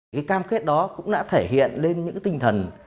cái cam kết đó cũng đã thể hiện lên những tinh thần